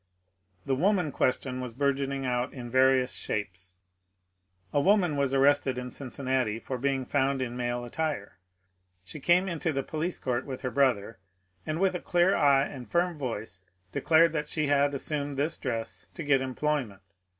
The Woman question was bourgeoning out in various shapes. A woman was arrested in Cincinnati for being found in male attire. She came into the police court with her bro ther, and with a clear eye and firm voice declared that she had* assumed this dress to get employment.